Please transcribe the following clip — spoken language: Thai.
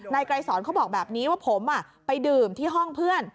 ไกรสอนเขาบอกแบบนี้ว่าผมไปดื่มที่ห้องเพื่อน